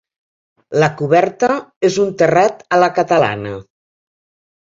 La coberta és un terrat a la catalana.